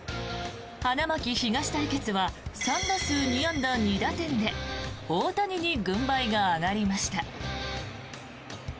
花巻東対決は３打数２安打２打点で大谷に軍配が上がりました。